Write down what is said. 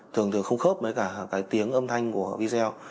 thường thường không khớp với cả cái tiếng âm thanh của video